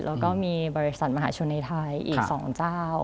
แล้วก็มีบริษัทมหาชนในไทยอีก๒เจ้า